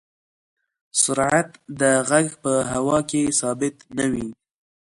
سرعت د غږ په هوا کې ثابت نه وي.